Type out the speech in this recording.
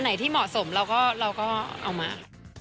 อันไหนที่เหมาะสมเราก็เอามา